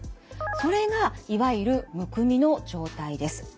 それがいわゆるむくみの状態です。